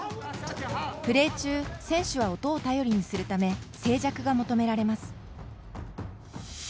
プレー中選手は音を頼りにするため静寂が求められます。